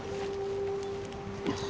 よし。